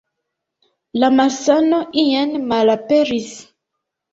La malsano ien malaperis.